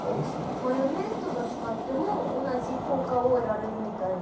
マヨネーズとか使っても同じ効果を得られるみたいです。